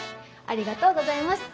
ありがとうございます。